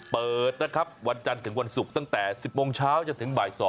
เปิดนะครับวันจันทร์ถึงวันศุกร์ตั้งแต่๑๐โมงเช้าจนถึงบ่าย๒